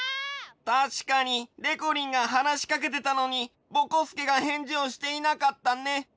たしかにでこりんがはなしかけてたのにぼこすけがへんじをしていなかったね。